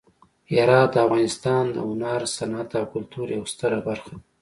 هرات د افغانستان د هنر، صنعت او کلتور یوه ستره برخه ده.